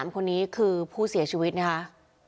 ๓คนนี้คือผู้เสียชีวิตนะคะ